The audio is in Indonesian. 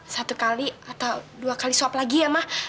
satu kali atau dua kali suap lagi ya ma